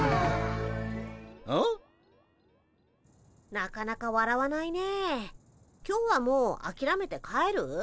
なかなかわらわないね。今日はもうあきめて帰る？